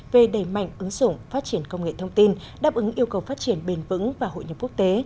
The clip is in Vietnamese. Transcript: về đẩy mạnh ứng dụng phát triển công nghệ thông tin đáp ứng yêu cầu phát triển bền vững và hội nhập quốc tế